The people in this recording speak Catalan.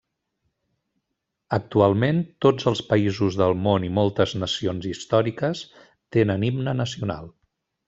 Actualment tots els països del món i moltes nacions històriques tenen himne nacional.